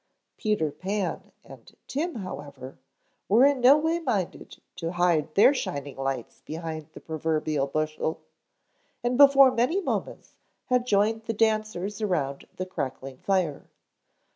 Peter Pan and Tim, however, were in no way minded to hide their shining lights behind the proverbial bushel, and before many moments had joined the dancers around the crackling fire.